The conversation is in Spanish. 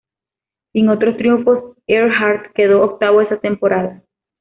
Sin otros triunfos, Earnhardt quedó octavo esa temporada.